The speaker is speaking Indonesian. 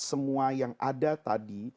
semua yang ada tadi